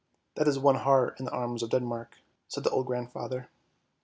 :< That is one heart in the Arms of Denmark," said the old grandfather.